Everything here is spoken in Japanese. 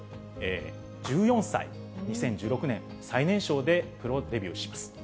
１４歳、２０１６年、最年少でプロデビューします。